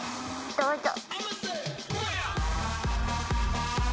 どうぞ。